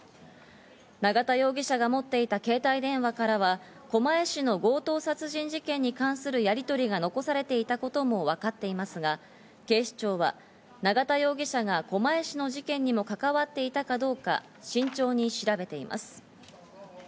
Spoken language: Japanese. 永田容疑者が持っていた携帯電話からは狛江市の強盗殺人事件に関するやりとりが残されていたこともわかっていますが、警視庁は永田容疑者が狛江市の事件にも関わっていたかどうか慎重に調べています。